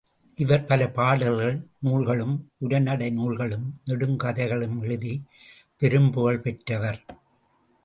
இவர் பல பாடல் நூல்களும், உரைநடை நூல்களும், நெடுங்கதைகளும் எழுதிப் பெரும் புகழ் பெற்றவர்.